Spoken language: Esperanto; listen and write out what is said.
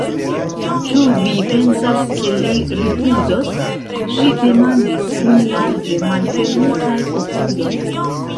Ĉu vi pensas, ke li rifuzos? ŝi demandis kun larĝe malfermitaj okuloj.